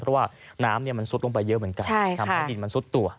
เพราะว่าน้ำมันซุดลงไปเยอะเหมือนกันทำให้ดินมันซุดตัว